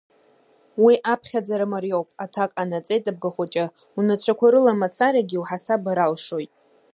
Уи аԥхьаӡара мариоуп, аҭак ҟанаҵеит Абгахәыҷы, унацәақәа рыла мацарагьы иуҳасабыр алшоит.